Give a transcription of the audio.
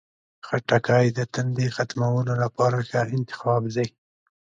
خټکی د تندې ختمولو لپاره ښه انتخاب دی.